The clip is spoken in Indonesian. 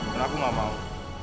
dan aku tidak mau